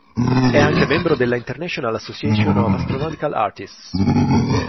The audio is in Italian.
È anche membro della "International Association of Astronomical Artists".